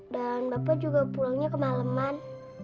dan bapak juga pulangnya kemaleman